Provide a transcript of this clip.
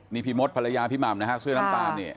นี่พี่มดภรรยาพี่ม่ำนะครับเสื้อดำตามนี่